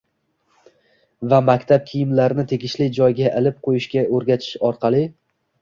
va maktab kiyimlarini tegishli joyga ilib qo‘yishga o‘rgatish orqali